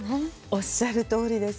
おっしゃるとおりです。